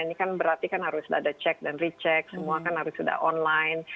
ini kan berarti kan harus ada cek dan recheck semua kan harus sudah online